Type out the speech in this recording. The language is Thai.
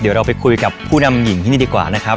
เดี๋ยวเราไปคุยกับผู้นำหญิงที่นี่ดีกว่านะครับ